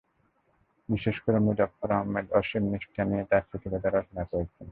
বিশেষ করে মুজফ্ফর আহমদ অসীম নিষ্ঠা নিয়ে তাঁর স্মৃতিকথা রচনা করেছেন।